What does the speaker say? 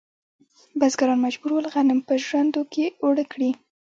بزګران مجبور ول غنم په ژرندو کې اوړه کړي.